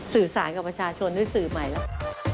สื่อสารกับประชาชนด้วยสื่อใหม่แล้ว